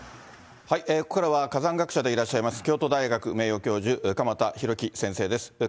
ここからは火山学者でいらっしゃいます、京都大学名誉教授、鎌田浩毅先生です。